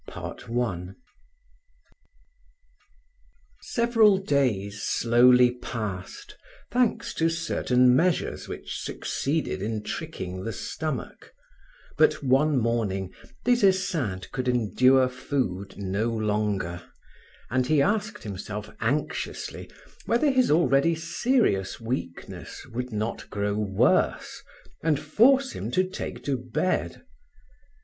Chapter 14 Several days slowly passed thanks to certain measures which succeeded in tricking the stomach, but one morning Des Esseintes could endure food no longer, and he asked himself anxiously whether his already serious weakness would not grow worse and force him to take to bed.